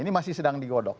ini masih sedang digodok